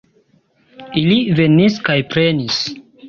Ili venis kaj prenis!